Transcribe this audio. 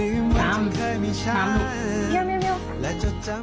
ที่มีช้อนมิว